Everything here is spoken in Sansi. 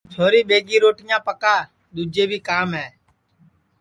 چھوری ٻیگی روٹیاں پکا دؔوجے بی کام ہے